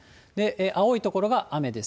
青い所が雨です。